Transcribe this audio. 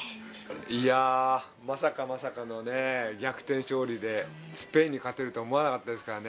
いや、まさかまさかのね逆転勝利で、スペインに勝てるとは思わなかったですからね。